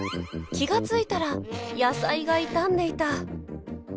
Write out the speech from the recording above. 気が付いたら野菜が傷んでいた。